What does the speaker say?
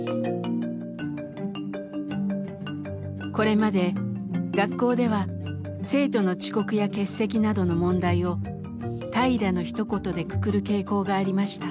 これまで学校では生徒の遅刻や欠席などの問題を「怠惰」のひと言でくくる傾向がありました。